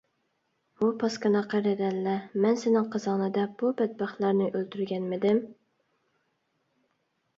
ھۇ پاسكىنا قېرى دەللە! مەن سېنىڭ قىزىڭنى دەپ بۇ بەتبەختلەرنى ئۆلتۈرگەنمىدىم؟